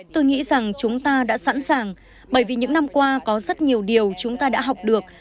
tôi nghĩ rằng chúng ta đã sẵn sàng bởi vì những năm qua có rất nhiều điều chúng ta đã học được